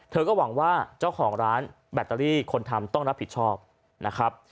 หวังว่าเจ้าของร้านแบตเตอรี่คนทำต้องรับผิดชอบนะครับ